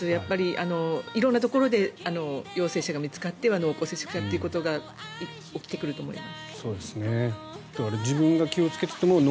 色んなところで陽性者が見つかっては濃厚接触者ということが起きてくると思います。